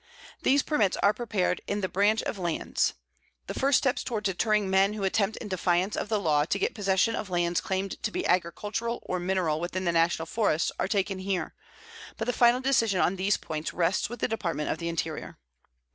These permits are prepared in the Branch of Lands. The first steps toward deterring men who attempt in defiance of the law to get possession of lands claimed to be agricultural or mineral within the National Forests are taken here, but the final decision on these points rests with the Department of the Interior.